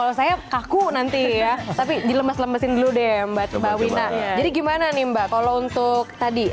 kalau saya kaku nanti ya tapi dilemes lemesin dulu deh mbak wina jadi gimana nih mbak kalau untuk tadi